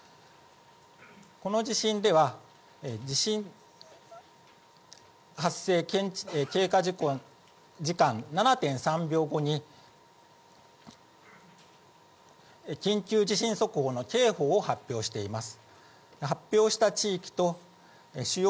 この地震では、地震発生経過時間７．３秒後に、緊急地震速報の警報を発表しています。